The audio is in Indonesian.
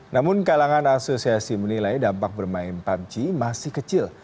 namun kalangan asosiasi menilai dampak bermain pubg masih kecil